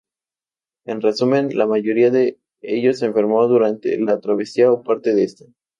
En resumen, la mayoría de ellos enfermó durante la travesía o parte de esta.